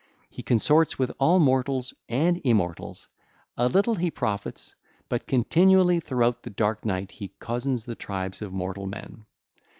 He consorts with all mortals and immortals: a little he profits, but continually throughout the dark night he cozens the tribes of mortal men.